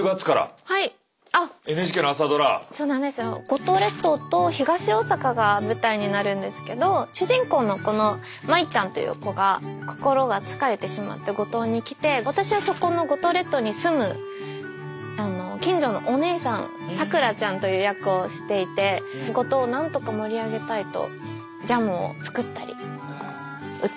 五島列島と東大阪が舞台になるんですけど主人公のこの舞ちゃんという子が心が疲れてしまって五島に来て私はそこの五島列島に住む近所のお姉さんさくらちゃんという役をしていて五島をなんとか盛り上げたいとジャムを作ったり売ったりしていくんですけど。